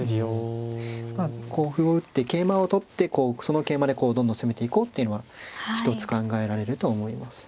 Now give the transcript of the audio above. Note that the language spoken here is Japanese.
まあこう歩を打って桂馬を取ってその桂馬でこうどんどん攻めていこうっていうのは一つ考えられると思います。